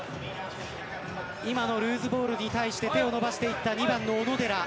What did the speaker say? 今のルーズボールに対して手を伸ばした２番の小野寺。